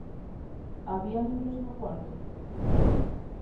Había libros no cuarto?